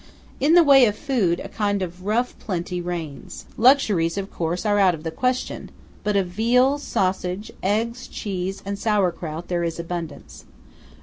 In the way of food, a kind of rough plenty reigns. Luxuries, of course, are out of the question; but of veal, sausage, eggs, cheese, and saur kraut there is abundance.